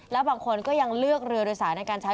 แล้วบางคนก็ยังเลือกเรือโดยสารในการใช้